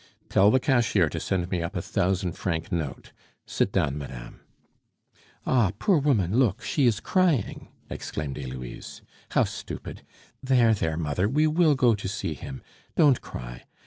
"Tell the cashier to send me up a thousand franc note. Sit down, madame." "Ah! poor woman, look, she is crying!" exclaimed Heloise. "How stupid! There, there, mother, we will go to see him; don't cry.